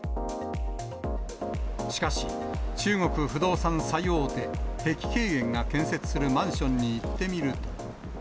しかし、中国不動産最大手、碧桂園が建設するマンションに行ってみると。